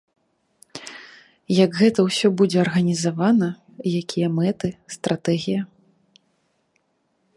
Як гэта ўсё будзе арганізавана, якія мэты, стратэгія.